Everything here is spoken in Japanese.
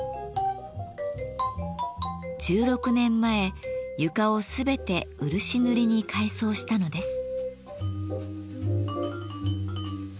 １６年前床を全て漆塗りに改装したのです。